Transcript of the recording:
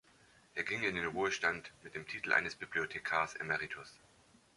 Er ging in den Ruhestand mit dem Titel eines Bibliothekars emeritus.